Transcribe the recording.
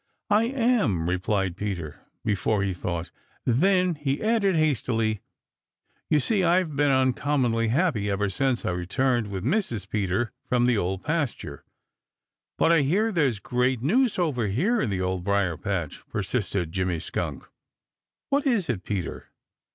"I am," replied Peter, before he thought. Then he added hastily, "You see, I've been uncommonly happy ever since I returned with Mrs. Peter from the Old Pasture." "But I hear there's great news over here in the Old Briar patch," persisted Jimmy Skunk. "What is it, Peter?"